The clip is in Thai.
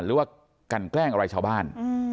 หรือว่ากันแกล้งอะไรชาวบ้าน